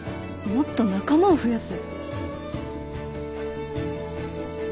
もっと仲間を増やす？